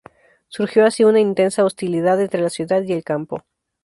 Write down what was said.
Surgió así una intensa hostilidad entre la ciudad y el campo.